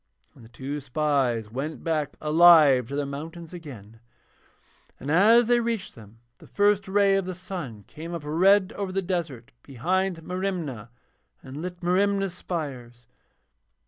And the two spies went back alive to their mountains again, and as they reached them the first ray of the sun came up red over the desert behind Merimna and lit Merimna's spires.